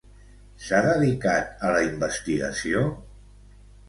S'ha dedicat a la investigació?